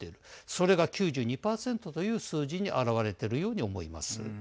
それが９２％という数字に表れているように思います。